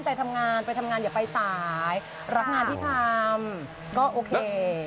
ไปทำงานไปทำงานอย่าไปสายรับงานที่ทำก็โอเค